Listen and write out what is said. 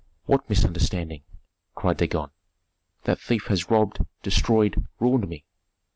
"What misunderstanding?" cried Dagon. "That thief has robbed, destroyed, ruined me.